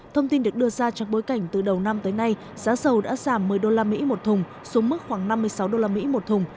thông tin được đưa ra trong bối cảnh từ đầu năm tới nay giá dầu đã giảm một mươi usd một thùng xuống mức khoảng năm mươi sáu usd một thùng